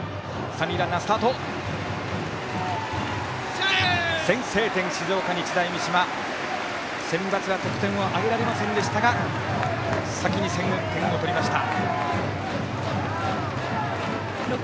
センバツは得点を挙げられませんでしたが先に点を取りました。